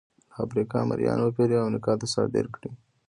له افریقا مریان وپېري او امریکا ته صادر کړي.